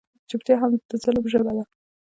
چوپتیا هم د ظلم ژبه ده.